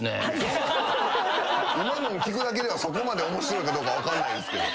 今の聞くだけではそこまで面白いかどうか分かんないすけど。